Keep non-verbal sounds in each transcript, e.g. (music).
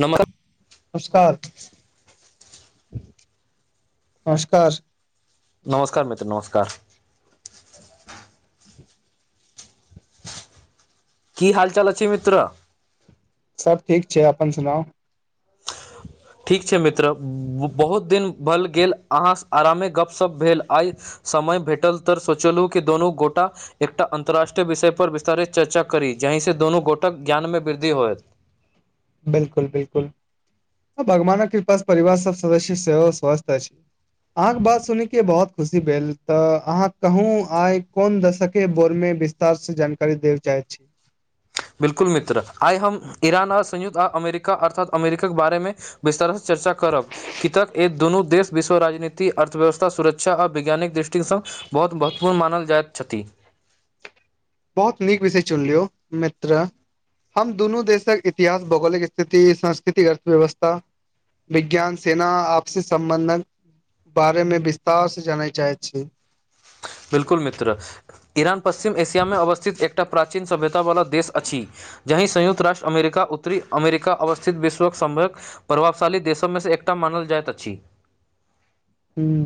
नमक नमस्कार। नमस्कार। नमस्कार मितित्र नमस्कार। की हाल चाल अछि छै मित्र। सभ ठीक छै अपन सुनाउ। ठीक छै मित्र बहुत दिन भल गेल अहाँ आरामे गपशप भेल आइ। समय भेटल तऽ सोचलहु कि दुोनू गोटा एकटा अन्तर्राष्ट्रीय विषय पर विस्तारित चर्चा करी। जाहिसँ दुनू गोटक ज्ञानमे वृद्धि होयत। बिलकुल बिलकुल। भगवानक कृपास से परिवार सब सदस्य सेहो स्वस्थ। अहाँके बात सुनै के बहुत खुशी भेल तऽ अहाँ कहू आइ कोन दशके बोरमे। विस्तार से जानकारी दे चाहैत छी। युद््त आ अमेरिका अर्थात अमेरिकाके बारे मे विस्तारसँ चर्चा करब कतक एक दुनू देश विश्व। राजनीति अर्थव्यवस्था सुरक्षा आ वैज्ञानिक दृष्टिकसँण बहुत महत्वपूर्ण मानल जाइत छथि। (unintelligible) बहुत नीक विषय चुन लियौ मित्र। हम दुनू देशक इतिहास भौगोलिक स्थिति सांस्कृतिक अर्थव्यवस्था। विज्ञान सेना आपस सम्बन्धन। बारेमे विस्तार से जानय चाहैत छी। बिलकुल मित्र। ईरान पश्चिम एशियामे अवस्थित एकटा प्राचीन सभ्यतावला देश अछि जहि संयुक्त राष्ट्र अमेरिका। उत्तरी अमेरिका अवस्थित विश्वक सभक प्रभावशाली देशमे से एकटा मानल जाइत अछि। (unintelligible) ह्म।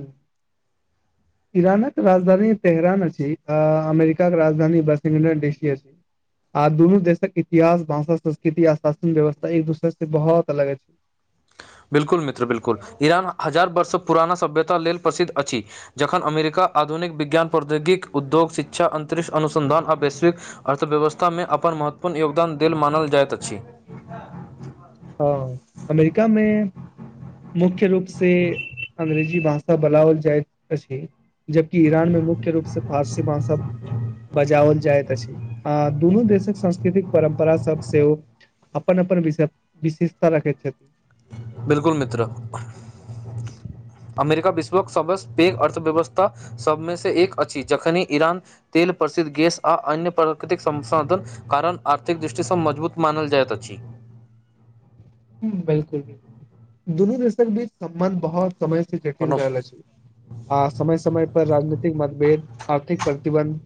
(unintelligible) इरानक राजधानी तेहरान अछि अमेरिकाक राजधानी वशिंगटन डसी। आ दुनू देशक इतिहास भाषा संस्कृति आ शासन व्यवस्था एक दोसर से बहुत अलग छै। (unintelligible) बिल्कुल मित्र बिल्कुल ईरान हजार वर्ष पुराना सभ्यता लेल प्रसिद्ध अछि जखन अमेरिका। आधुनिक विज्ञान प्रौद्योगिक उद्योग शिक्षा अंतरिक्ष अनसंधान आ वैश्विक अर्थव्यवस्था मे अपन। अपन महत्वपूर्ण योगदान देल मानल जाइत अछि। हँ अमेरिकामे। मुख्य रूप से अंग्रेजी भाषा बोलाओल जाइत अछि। जबकि ईरान मे मुख्य रूप से फारसी भासा बजाओल जाइत अछि आ। दुनू देशक सांस्कृतिक परम्परा सब सेहो अपन अपन वि विशेषता रखैत छथिन। बिल्कुल मित्र सब पैघ अर्थव्यवस्था सभमे से एक अछि जखने ईरान तेल प्रसिद्ध गैस आ। अन्य प्रकृतिक संसाधन कारण आर्थिक दृष्टिसँ मजबूत मानल जाइत अछि। (unintelligible) बिलकुल बिलकुल दुनू देशक बीच सम्बन्ध बहुत। समय से जटल रहल छै। आ समय समय पर राजनीतिक मतभेद आर्थिक प्रतिबन्ध।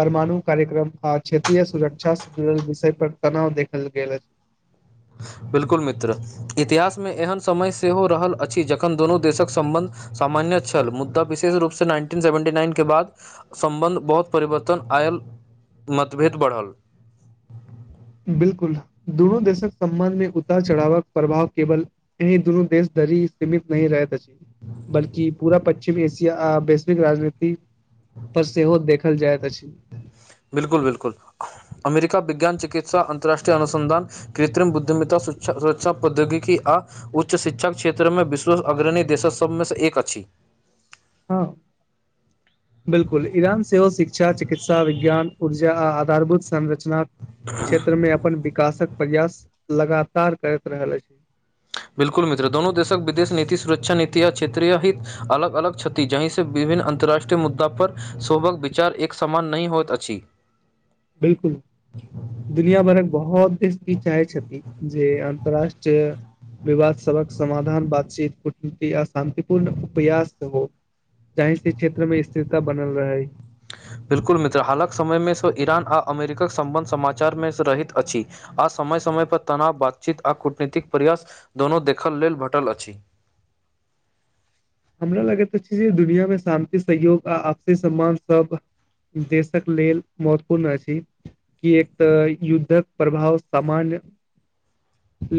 परमाणु कार्यक्रम आ क्षेत्रीय सुरक्षा से जुड़ल विषय पर तनाव देखल गेल अछि। (unintelligible) बिल्कुल मित्र इतिहासमे एहन समय सेहो रहल अछि जखन दुनू देशक सम्बन्ध सामान्य छल मुद्दा विशेष रूपसँ नाइनटीन सेवन्टी नाइन के बाद सं्बन्ध बहुत परिवर्तन आ आयल मतभेद बढ़ल। बिलकुल दुनू देशक सम्बन्ध मे उतार चढ़ावक प्रभाव केवल एहिी दुनू देश ी सीमित नहि रहै त ची बल्ि पूरा पश्चिम एशिया। आ वैश्विक राजनीति पर सेहो देखल जाइत अछि। बिलकुल बिलकुल। अमेरिका विज्ान चिकित्सा अन्तर्राष्ट्रीयनसधान कृत्रिम बुद्धिमितता सुरक्षा प्रौद्योगिकी। आ उच्च शिक्षा क्षेत्रमे विश्व अग्रणी देश सभमे से एक अछि। हँ बिलकुल ईरान सेहो शिक्षा चिकित्सा विज्ञान ऊर्जा आ आधारभूत संरचना क्षेत्रमे अपन विकासक प्रयास लगातार करैत रहल अछि। बिल्कुल मित्र दोननो देशक विदेश नीति सुरक्षा नीति आ क्षेत्रीय हित अलग अलग क्षति जहिं से बी। विभिन्न अन्तर्राष्ट्रीय मुद्दा पर शोभक विचार एक समान नहि होइत अछि। बिलकुल दुनिया भर एक बहुत देश क चाय छति। जी अन्तरराष्ट्रीय विवाद सबक समाधान बातचीत कूटनीति आ शान्तिपूर्ण उपयास हो। जाहि से क्षेत्र मे स्थिरता बनल रहै। बिल्कुल मित्र हालक समयमे सेहो ईरान आ अमेरिकाक सम्बन्ध समाचार मे रहैत अछि आ। समय समय पर तनाव बातचीत आ कूटनीतिक प्रयास दोनोू देखल लेल भेटल अछि। (unintelligible) हमरा लगैत त छै दुनिियामे शान्ति सहयोग आपसी सम्मान सब देशक लेल महत्वपूर्ण अछि कि एक तऽ युद्धक प्रभाव सामान्य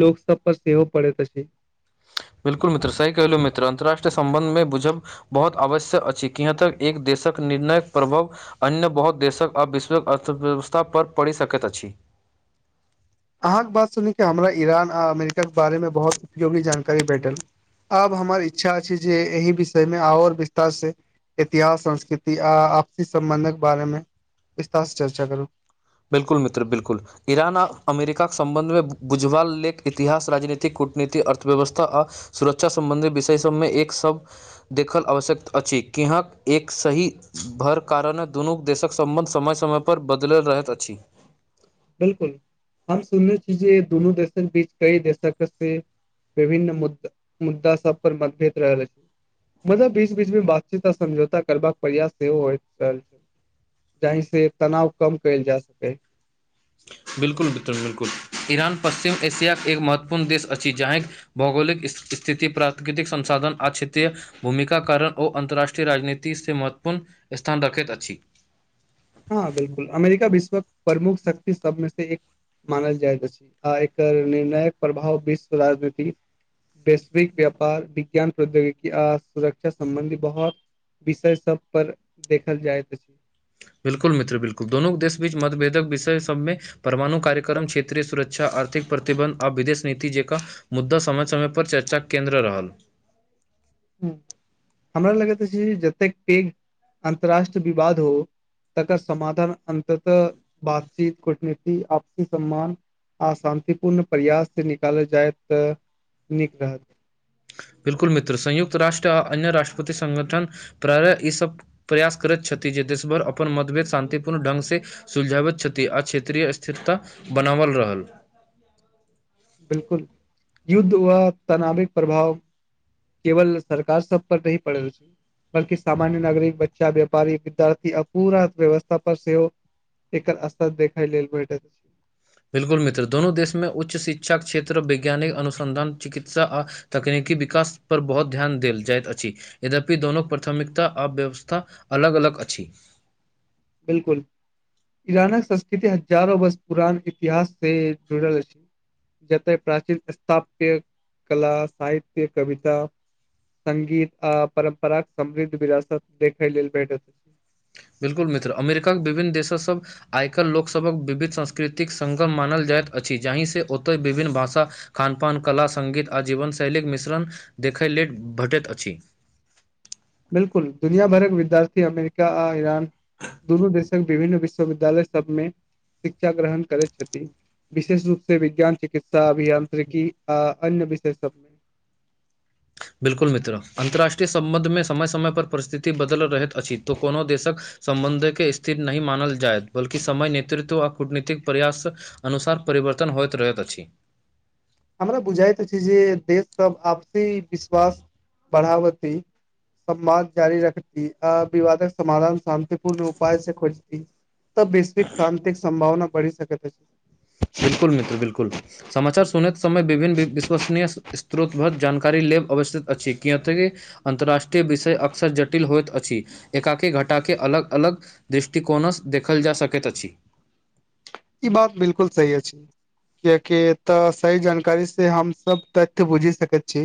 लोक सब पर सेहो पड़ैत छै। बिल्कुल मित्र सही कहहिलू मित्र अन्तर्रराष्ट्रीय संबंध मे बुझब बहुत आवश्यक अछि यहाँ तक एक देश। क निर्णक प्रभाव अन्य बहुत देशक आ विश्वक अर्थव्यवस्था पर पड़ि सकैत अछि। (unintelligible) अहाँके बात सुने हमरा ईरान आ अमेरिकाके बारेमे बहुत उपयोगी जानकारी भेटल। आब हमर इच्छा छै जे एहिह विषय मे आओर विस्तार से इतिहास संस्कृति आ आपस सम्बन्धक बारेमे विस्तार से चर्चा करू। बिल्कुल मित्र बिल्कुल ईरान आ अमेरिकाके सं्बंधमे बुझवाल ल इतिहास राजनीति। कूटनीतिक अर्थव्यवस्था आ सुरक्षा सं्बंधी विषय सभमे एक सभ देखल आवश्यकता अछि। अछि किहक एक सही भर कारणे दुनू देशक सम्बन्ध समय समय पर बदलि रहैत अछि। पक्षी। बिलकुल हम सुनने छी जे दुनू देशक बीच कई देशक से विभिन्न मुद् मुद्दा सब पर मतभेद रहल अछि। मतलब बीच बीचमे बातचीत आ समझौता करबाक प्रयास सेहो होयइत रहल छै। जहि से तनाव कम कयल जा सकै। त। बिल्कुल बिलकुल बिलकुल ईरान पश्चिम एशियााक के एक महत्वपूर्ण देश अछि जहहि भौगोलिक स् स्थिति प्राकृतिक संसाधन क्षेत्रीय भूमिका कारण ओ अन्तर्राष्ट्रीय राजनीति से महत्वपूर्ण स्थान रखैत अछि। (unintelligible) (unintelligible) हँ बिलकुल अमेरिका विश्व प्रमुख शक्त शमे से एक। मानल जाइत अछि आर एकर निर्णायक प्रभाव विश्व राजनीति। वैश्विक व्यापार विज्ञान प्रौद्योगिकी आ सुरक्षा सम्बन्धी बहुत। विषय सब पर देखल जाइत अछि। बिल्कुल मित्र बिल्कुल दनू देश बीच मतभेदक विषय सभमे परमाणु कार्यक्रम क्षेत्रीय सुरक्षा अर्थ। प्रतिबन्ध आ विदेश नीति जेक मुद्दा समय समय पर चर्चा केन्द्र रहल। ह हमरा लगैत छै जतेक पैघ अन्तर्राष्ट्रीय विवाद हो। तकर समाधान अन्ततः बातचीत कूटनीति आपस सम्मान। अशान्तिपूर्ण प्रयाससँ निकालल जाय तऽ नीक रहत। बिल्कुल मित्र संयुक्त रष्ट्र आ अन्य रष्ट्रपति संगगठन प्रारः ईसभ प्रयास करैत छथि। ी जे देशभर अपन मतभेद शानंतिपूर्ण ढङंगग से सुलझावैत छथि आ क्षेत्रीय स्थिरता बनाव। कल रहल। बिल्कुल युद्ध वा तनाव के प्रभाव केवल सरकार सब पर नी पड़ल छै। बल्कि सामान्य नागरिक बच्चा व्यापारी विद्यार्थी अपूरा अर्थव्यवस्था पर सेहो। एकर असथ देखाय ल भेटै। बिल्कुल मित्रोननो देश मे उच्च शिक्षा क्षेत्र वैज्ञानिक अनुसंधान चिकित्सा आ तकनीकी। के विकास पर बहुत ध्यान देल जाइत अछि यद्यपि दोनोक प्राथमिकता अव्यवस्था अलग अलग। लग अछि। बिलकुल। ईरानक संस्कृति हजारो वर्ष पुरान इतिहास से जुड़ल अछि। जतय प्राचीन स्थाप्य कला साहित्य कविता। संगगीत आ परम्पराक समृद्ध विरासत देखै लेल भेटैत अछि। बिल्कुल मित्र अमेरिकाक विभिन्न देश सभ आइकर लोकसभक विविध सांस्कृतिक संग्म मानल जाइत। अछि जाहि से ओतय विभिन्न भाषा खानपान कला संगगीत आ जीवनशैलीके मिश्रण देख। देखै लेले भेटैत अछि। बिलकुल दुनिया भरके विद्यार्थी अमेरिका आ ईरान दुनू देश। विभिन्न विश्वविद्यालय सबमे शिक्षा ग्रहण करैत छथिन। विशेष रूप से विज्ञान चिकित्सा अभियंत्र्रिकी आ अन्य विषय सबमे। बिल्कुल मित्र अन्तर्राष्ट्रीय संबंध मे समय समय परिस्थिति बदल। रहैत अछि तऽ कोनो देशक। संबंध के स्थिर नहि मानल जायत बल्ि समय नेतृत्व आ कूटनीतिक प्रयास अनुसार परव। परिवर्तन होइत रहैत अछि। हमरा बुझाइत अछि जे देशसभ आपसी विश्वास बढ़ाबतै। संवाद जारी रखती अ विवादक समाधान शान्तिपूर्ण उपाय से खोजती। तऽ बेैस्विक शान्तिक संभावना बढ़ सक। बिलकुल मित्र बिलकुल समाचार सुनेत समय विभिन्न विश्वसनीय स्रोतबध जानकारी ले। अवस्थित अछि कियक अन्तर्रराष्ट्रीय विषय अक्सर जटिल होइत अछि एकाकी घटाके। अलग अलग दृष्टिकोणसँ देखल जा सकैत अछि। ई बात बिलकुल सही अछि छै। कियकि तऽ सही जानकारी से हमसभ तथ्य बुझि सकैत छी।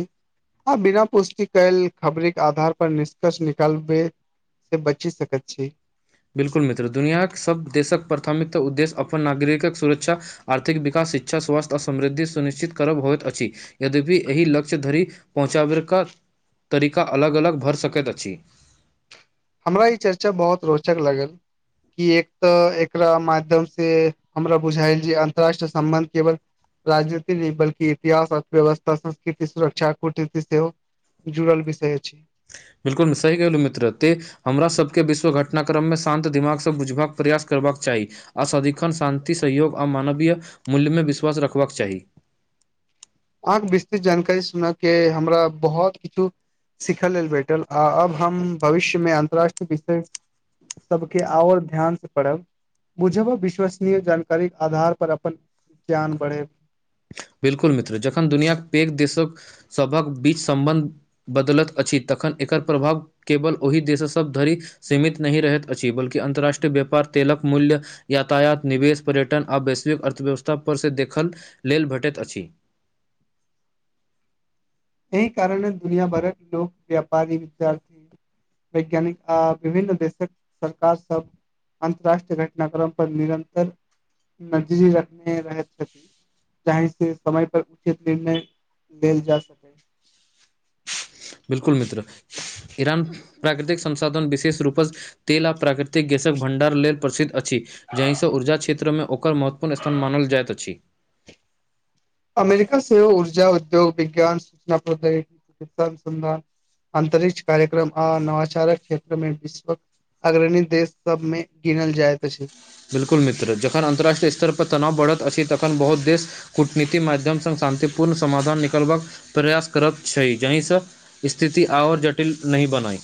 आब बिना पुष्टि कयल खबरे के आधार पर निष्कर्ष निकालबे। से बची सकैत छी। बिल्कुल मित्र दुनियाक सभ देशक प्राथमिकता उद्देश्य अपन नागरिकक सुरक्षा आर्थिक विकास। शिक्षा स्वास्थ्य आ समृद्धि सुनिश्चित करब होइत अछि यद्यपि एहि लक्ष्य धरि पहुँचाबके। तरीका अलग अलग भरि सकैत अछि। हमरा ई चर्चा बहुत रोचक लागल। कि एक तऽ एकरा माध्यम से हमरा बुझाायल जे अन्तरराष्ट्रीय सम्बन्ध केवल राजनीति नहि बल्कि इतिहास अर्थव्यवस्था संस्कृति सुरक्षा कूटनीति सेहो जुड़ल विषय अछि। बिलकुल सही कहलहुँ मित्र ते हमरा सभके विश्व घटना क्रममे शान्त दिमागसँ बुझबाक प्रयास कर करबाक चाही आ सदिखन शान्ति सहयोग आ मानवीय मूल्यमे विश्वास रखबाक चाही। (unintelligible) अहाँके विस्तृत जानकारी सुनऽ के हमरा बहुत कुछ सिखय लेल भेटल आ अब हम भविष्यमे अन्तररााष्ट्रीय विषय सभके आओर ध्यान स पढ़ब। बुझब अ विश्वसनीय जानकारीक आधार पर अपन ज्ञान बढ़ैत। बिल्कुल मित्र जखन दुनियाक पैघ देशक सभक बीच सम्बन्ध बदलत अ छी तखन एकर प्रभाव केवल ओहि देश सभ धरि सीमित नहि रहैत अछि बल्कि अंतर्राष्ट्रीय व्य पार तेलक मूल्य यातायात निवेश पर्यटन आ वैश्विक अर्थव्यवस्था पर से देखक लेल भेटैत अछि। एहि कारण दुनिया भरक लोक व्यापारी विद्यार्थी वैज्ञानिक आ विभिन्न देशक सरकार सब अंतरराष्ट्रीय घटना क्रम पर निरन्तर नजरी रखने रहैत छथि। जाही से समय पर उचित निर्णय लेल जा सकै। बिल्कुल मित्र ईरान प्राकृतिक संसाधन विशेष रूपसँ तेल आ प्राकृतिक गैसक भण्डार लेल प्रसिद्ध अछि। जाहि स ऊर्जा क्षेत्र मे ओकर महत्वपूर्ण स्थान मानल जाइत अछि। अमेरिका सेहो ऊर्जा उद्योग विज्ञान सूचना प्रौद्योगिकी चिकित्सा अनुसंधान अन्तरिक्ष कार्यक्रम आ नवाचारक क्षेत्रमे विश्वक अग्रणी देश सबमे गिनल जाइत अछि। बिल्कुल मित्र जखन अन्तर्राष्ट्रीय स्तर पर तनाव बढ़त अछि तखन बहुत देश कूटनीति माध्यम स शान्ततिपूर्ण समाधान निकालबाक प्रयास करैत छैय जहि से स्थिति और जटिल न इ बनय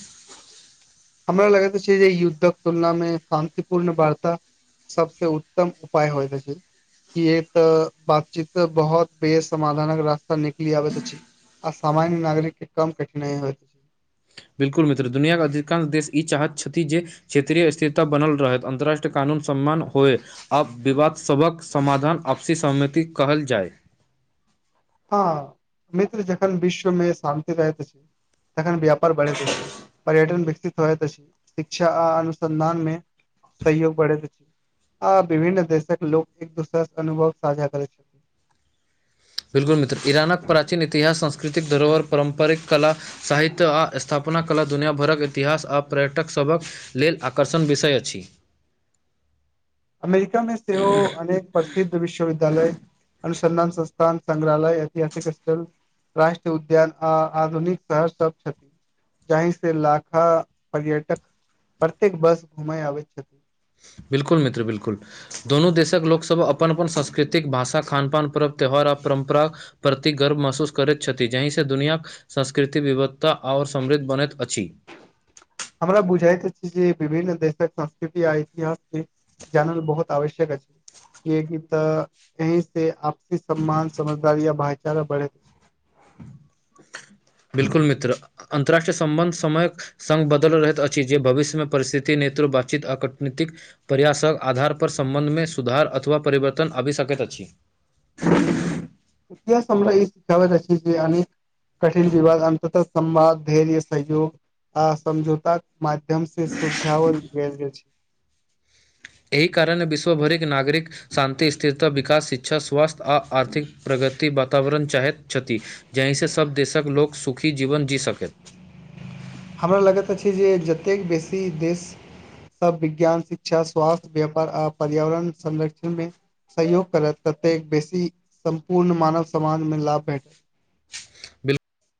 हमरा लगैत अछि जे युद्धक तुलनामे शान्तिपूर्ण बार्ता सबसे उत्तम उपाय होइत अछि। इहे तऽ बातचीत से बहोत बे समाधानक रास्ता निकलि आबैत अछि। आ सामान्य नागरिक के कम कठिनाइ होइत। बिल्कुल मित्र दुनिया के अधिकांश देश ई चाहत छथि जे क्षेत्रिय स्थिरता बनल रहैत अतर्राष्ट्रीय कानून सम्मान होय अब विवाद सभक समाधान आपसी सहमति कहल जाय। (inaudible) हाँ मित्र जखन विश्वमे शान्ति रहैत अछि। तखन व्यापार बढ़ैत अछि, पर्यटन विकसित होइत अछि, शिक्षा आ अनुसंधान मे सहयोग बढ़ैत अछि। आ विभिन्न देशक लोक एक दोसरा स अनुभव साझा करै छै। (inaudible) यौ मित्र इरानक प्राचीन इतिहास सांस्कृतिक धरोहर पारंपरिक कला साहित्य आ स्थापना कला दुनिया भरक इतिहास आ पर्यटक सभक लेल आकर्षण विषय अछि। अमेरिका मे सेहो अनेक प्रसिद्ध विश्वविद्यालय अनु संधान संस्थान संग्रहालय ऐतिहासिक स्थल राष्ट्रीय उद्यान आ आधुनिक शहर सब छथि। जाहि से लाखा पर्यटक प्रत्येक वर्ष घुमय आबैत छथिन। बिल्कुल मित्र, बिल्कुल दुनू देशक लोकसब अपन-अपन सांस्कृतिक भाषा खान-पान पर्व त्यौहार प्रा परंम्परा प्रति गर्व महसूस करैत छथि, जहि से दुनियाक संस्कृति विविधता और सम समृद्ध बनैत अछि। हमरा बुझाइत अछि जे विभिन्न देशक संस्कृति आ इतिहास ही जानल बहोत आवश्यक अछि। कियाकी तऽ यहीं से आपसी सम्मान, समझदारी या भाईचारा बढ़े छै। (inaudible) बिल्कुल मित्र, अ अन्तर्राष्ट्रीय संबन्ध समय संग बदल रहैत अछि जे भविष्यमे परिस्थिति नै बातचीत आ कूटनीतिक प्रयासक आधार पर संबंध मे सुधार अथवा परिवर्तन आबि सकैत। जी। हूँ, इतिहास हमरा ई सिखावैत अछि जे अनेक कठिन विवाद, अन्ततः संवाद धैर्य सहयोग। आ समझौताक माध्यम से सुलझावल जाइत अछि। (inaudible) एहि कारणे विश्वभरिक नागरिक शांति, स्थिरता, विकास, शिक्षा, स्वास्थ्य आ आर्थिक प्रग। ति वातावरण चाहैत छथि, जाहि से सब देशक लोक सुखी जीवन जी सकै। हमरा लागैत अछि जे जतेक बेसी देश। सब विज्ञान, शिक्षा, स्वास्थ्य, व्यापार आ पर्यावरण संरक्षण में सहयोग करे ततेक बेसी सम्पूर्ण मानव समाजमे लाभ भेटै। बिल्